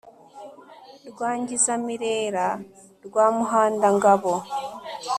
Rwangizamirera rwa Muhandangabo